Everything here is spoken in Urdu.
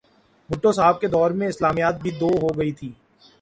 بھٹو صاحب کے دور میں اسلامیات بھی دو ہو گئی تھیں۔